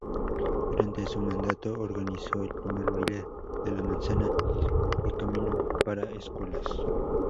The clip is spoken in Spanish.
Durante su mandato, organizó el primer Baile de la Manzana y Camino para Escuelas.